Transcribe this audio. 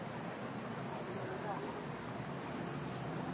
โปรดติดตามต่อไป